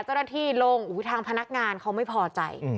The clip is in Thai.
เจ้าหน้าที่ลงทางพนักงานเขาไม่พอใจ